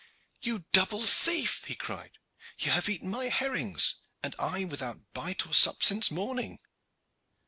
"You double thief!" he cried, "you have eaten my herrings, and I without bite or sup since morning."